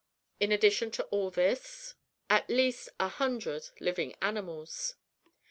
In addition to all this, at least a hundred living animals."